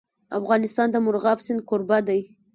افغانستان د مورغاب سیند کوربه دی.